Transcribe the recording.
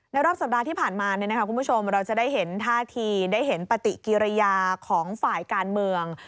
รอบสัปดาห์ที่ผ่านมาคุณผู้ชมเราจะได้เห็นท่าทีได้เห็นปฏิกิริยาของฝ่ายการเมือง